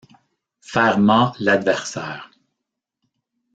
Faire mat l'adversaire.